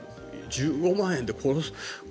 １５万円で殺す。